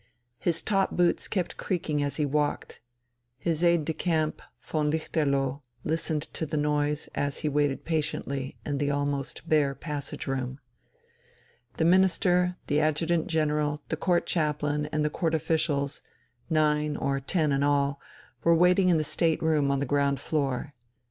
His top boots kept creaking as he walked. His aide de camp, von Lichterloh, listened to the noise, as he waited patiently in the almost bare passage room. The Minister, the Adjutant General, the Court Chaplain, and the Court officials, nine or ten in all, were waiting in the state room on the ground floor.